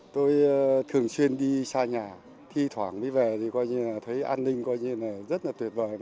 tôi thường xuyên đi xa nhà thi thoảng mới về thì coi như là thấy an ninh coi như là rất là tuyệt vời